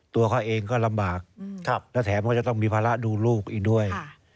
ตัวเขาเองก็ลำบากและแถมเขาจะต้องมีภาระดูลูกอีกด้วย